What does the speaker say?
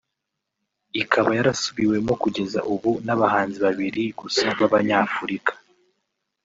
ikaba yarasubiwemo kugeza ubu n’abahanzi babiri gusa babanyafurika